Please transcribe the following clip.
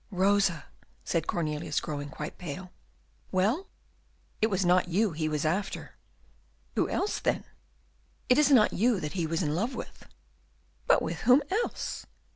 "Rosa," said Cornelius, growing quite pale. "Well?" "It was not you he was after." "Who else, then?" "It is not you that he was in love with!" "But with whom else?"